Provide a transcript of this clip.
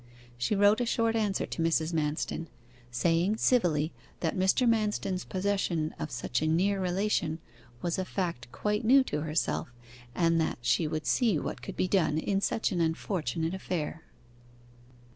She wrote a short answer to Mrs. Manston, saying civilly that Mr. Manston's possession of such a near relation was a fact quite new to herself, and that she would see what could be done in such an unfortunate affair.